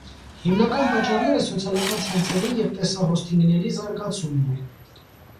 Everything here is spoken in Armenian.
Հիմնական պատճառները սոցիալական ցանցերի և տեսահոսթինգների զարգացումն է։